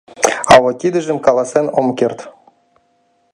— А вот тидыжым каласен ом керт.